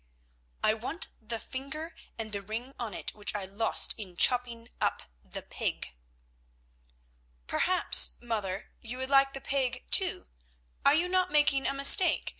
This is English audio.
"I want the finger and the ring on it which I lost in chopping up the pig." "Perhaps, mother, you would like the pig, too. Are you not making a mistake?